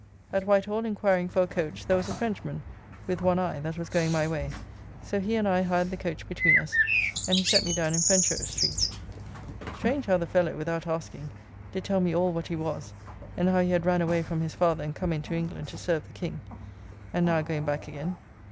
At Whitehall inquiring for a coach, there was a Frenchman with one eye that was going my way, so he and I hired the coach between us and he set me down in Fenchurch Street. Strange how the fellow, without asking, did tell me all what he was, and how he had ran away from his father and come into England to serve the King, and now going back again.